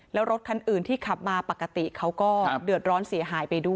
แล้วรถคันอื่นที่ขับมาปกติเขาก็เดือดร้อนเสียหายไปด้วย